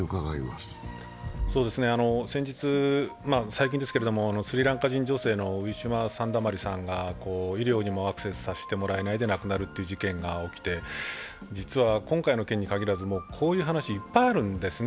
先日、最近ですけれども、スリランカ女性のウィシュマ・サンダマリさんが医療にもアクセスさせてもらえないで死亡した事件が起きて実は今回の件に限らず、こういう話いっぱいあるんですね。